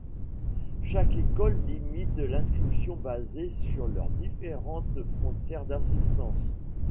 Chaque école limite l'inscription basée sur leurs différentes frontières d'assistance.